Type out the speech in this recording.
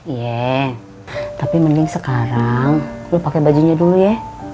iya tapi mending sekarang lu pakai bajunya dulu ya